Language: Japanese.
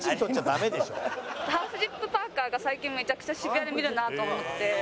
ハーフジップパーカーが最近めちゃくちゃ渋谷で見るなと思って。